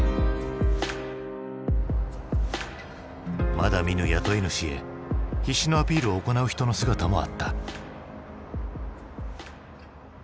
まだ見ぬ雇い主へ必死のアピールを行う人の姿もあった。